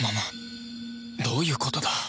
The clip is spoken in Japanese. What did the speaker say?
どういうことだ？